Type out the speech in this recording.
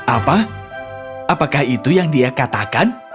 apa apakah itu yang dia katakan